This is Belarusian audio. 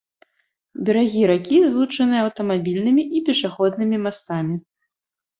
Берагі ракі злучаныя аўтамабільнымі і пешаходнымі мастамі.